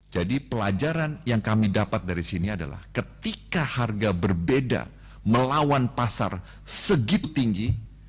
jadi pelajaran yang kami dapat dari sini adalah ketika harga berbeda melawan pasar segitu tinggi